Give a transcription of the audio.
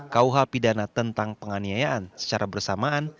kauhapidana tentang penganiayaan secara bersamaan